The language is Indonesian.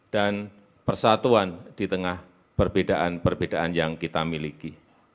dan persatuan di tengah perbedaan perbedaan yang kita miliki